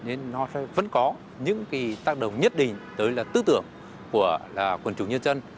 nên nó vẫn có những tác động nhất định tới tư tưởng của quân chủ nhân dân